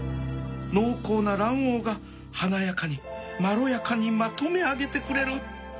濃厚な卵黄が華やかにまろやかにまとめ上げてくれる